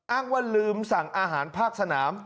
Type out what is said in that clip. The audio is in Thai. อ้างว่าลืมสั่งอาหารภาคสนาม